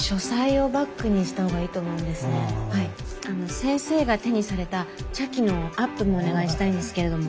先生が手にされた茶器のアップもお願いしたいんですけれども。